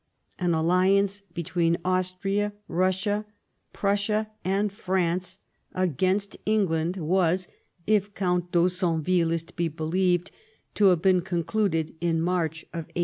An alliance between Austria, Bussia, Prussia, and France against England was, if Count d'Haussonville is to be believed,* to have been concluded in March 1848.